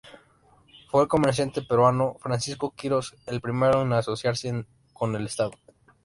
Fue el comerciante peruano Francisco Quirós el primero en asociarse con el Estado.